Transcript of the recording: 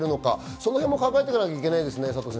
このへんも考えていかなきゃいけないですね。